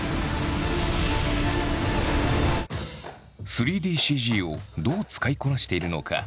３ＤＣＧをどう使いこなしているのか。